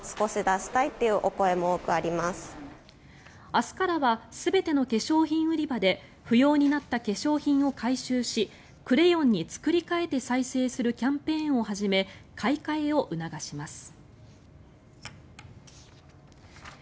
明日からは全ての化粧品売り場で不要になった化粧品を回収しクレヨンに作り替えて再生するキャンペーンを始め買い替えを促します。